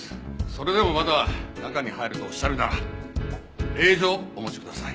それでもまだ中に入るとおっしゃるなら令状をお持ちください。